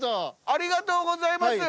ありがとうございます。